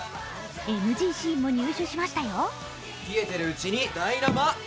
ＮＧシーンも入手しましたよ。